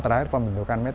terakhir pembentukan asam